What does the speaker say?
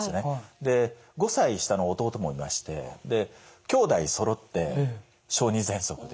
で５歳下の弟もいまして兄弟そろって小児ぜんそくで。